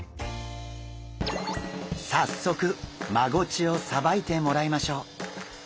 早速マゴチをさばいてもらいましょう。